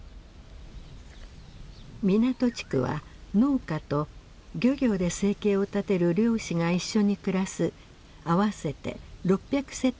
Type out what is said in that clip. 湊地区は農家と漁業で生計を立てる漁師が一緒に暮らす合わせて６００世帯ほどの集落でした。